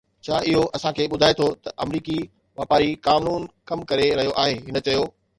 ڇا اهو اسان کي ٻڌائي ٿو ته آمريڪي واپاري قانون ڪم ڪري رهيو آهي، هن چيو